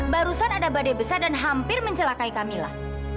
barusan ada badai besar dan hampir mencelakai kamilah